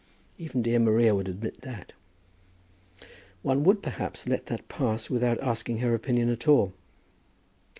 Even dear Maria would admit that." "One would perhaps let that pass without asking her opinion at all."